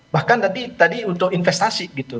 bahkan tadi untuk investasi gitu